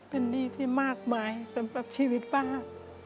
เป็นหนี้ที่มากมายสำหรับชีวิตป้า